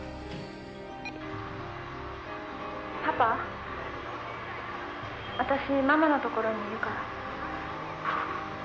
「パパ私ママのところにいるから」